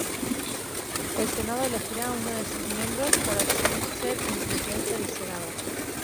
El Senado elegirá uno de sus miembros para ser el presidente del Senado.